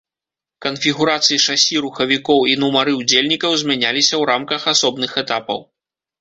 Канфігурацыі шасі, рухавікоў і нумары ўдзельнікаў змяняліся ў рамках асобных этапаў.